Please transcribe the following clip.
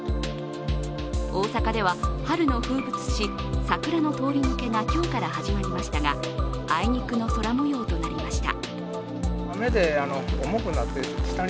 大阪では春の風物詩、桜の通り抜けが今日から始まりましたが、あいにくの空もようとなりました。